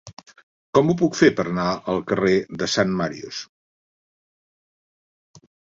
Com ho puc fer per anar al carrer de Sant Màrius?